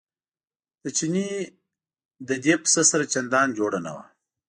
د چیني له دې پسه سره چندان جوړه نه وه.